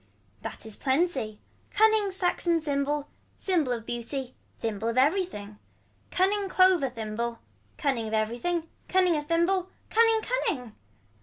That is plenty. Cunning saxon symbol. Symbol of beauty. Thimble of everything. Cunning clover thimble. Cunning of everything. Cunning of thimble. Cunning cunning.